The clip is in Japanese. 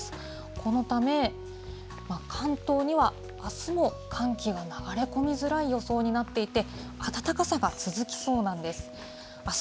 このため、関東にはあすも寒気が流れ込みづらい予想になっていて、暖かさが続きそうなんです。